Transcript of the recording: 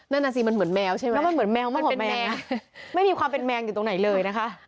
แล้วมันน่ะสิมันเหมือนแมวใช่มั้ย